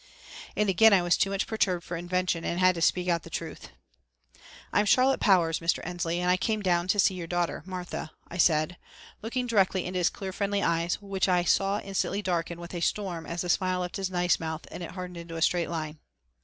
And again I was too much perturbed for invention and had to speak out the truth. "I'm Charlotte Powers, Mr. Ensley, and I came down to see your daughter, Martha," I said, looking directly into his clear friendly eyes which I saw instantly darken with a storm as the smile left his nice mouth and it hardened into a straight line.